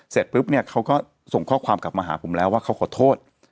เสร็จปุ๊บเนี่ยเขาก็ส่งข้อความกลับมาหาผมแล้วว่าเขาขอโทษ